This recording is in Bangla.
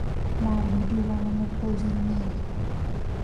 মা, ভিডিও বানানোর প্রয়োজন নেই।